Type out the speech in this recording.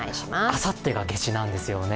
あさってが夏至なんですよね。